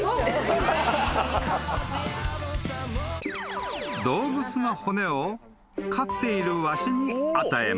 ［動物の骨を飼っているワシに与えます］